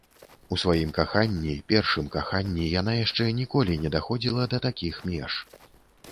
У сваім каханні, першым каханні, яна яшчэ ніколі не даходзіла да такіх меж.